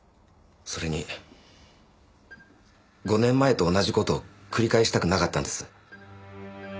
それに５年前と同じ事を繰り返したくなかったんです。